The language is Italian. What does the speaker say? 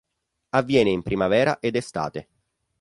Avviene in primavera ed estate.